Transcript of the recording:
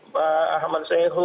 pak ahmad sehu